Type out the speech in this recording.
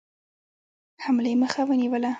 حملې مخه ونیوله.